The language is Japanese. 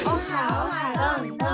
オハどんどん！